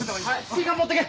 スイカも持ってけ！